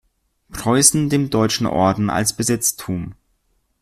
Preußen dem Deutschen Orden als Besitztum.